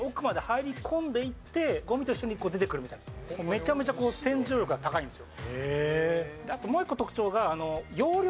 めちゃめちゃ洗浄力が高いんです。